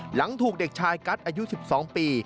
หลังถูกเด็กชายกัสอายุ๑๒ปี